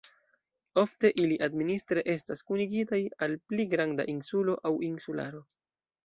Ofte ili administre estas kunigitaj al pli granda insulo aŭ insularo.